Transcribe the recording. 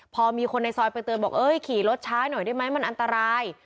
พอมีคนในซอยไปเตือนบอกเอ้ยขี่รถช้าหน่อยได้ไหมมันอันตราย